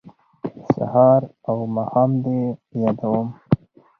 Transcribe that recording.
سهار او ماښام دې یادوم